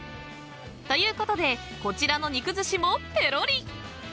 ［ということでこちらの肉寿司もペロリ］